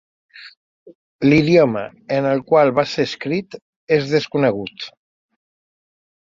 L'idioma en el qual va ser escrit és desconegut.